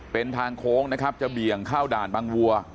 เป็นทางโค้งนะครับจะเบี่ยงเข้าด่านบางวัว